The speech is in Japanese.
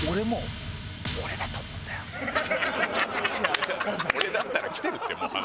俺だったら来てるってもう話。